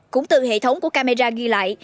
cũng từ hệ thống của camera ghi lại